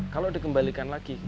kalau dikembalikan lagi